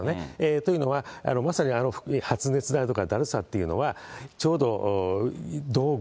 というのは、まさに発熱だとかだるさっていうのは、ちょうど道具、